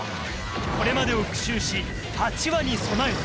これまでを復習し８話に備える